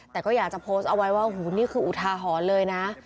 แต่ก็อยากจะโพสต์เอาไว้ว่าหูนี่คืออุทาหรณ์เลยนะ